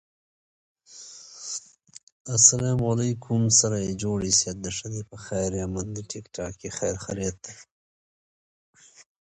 They have several situational advantages over a sword.